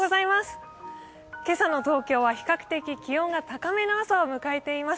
今朝の東京は比較的気温が高めの朝を迎えています。